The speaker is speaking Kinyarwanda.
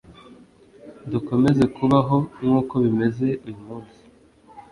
dukomeze kubaho nk uko bimeze uyu munsi